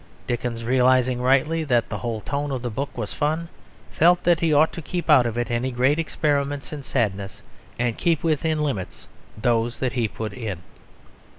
Dickens, realising rightly that the whole tone of the book was fun, felt that he ought to keep out of it any great experiments in sadness and keep within limits those that he put in.